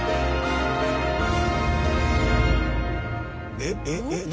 えっえっえっ何？